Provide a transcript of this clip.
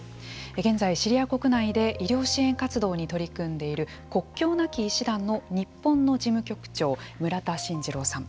現在、シリア国内で医療支援活動に取り組んでいる国境なき医師団の日本の事務局長村田慎二郎さん。